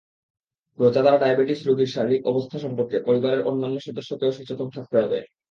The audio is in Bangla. রোজাদার ডায়াবেটিস রোগীর শারীরিক অবস্থা সম্পর্কে পরিবারের অন্যান্য সদস্যকেও সচেতন থাকতে হবে।